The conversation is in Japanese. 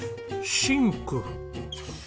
シンク？